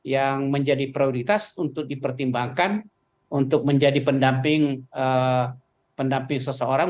yang menjadi prioritas untuk dipertimbangkan untuk menjadi pendamping seseorang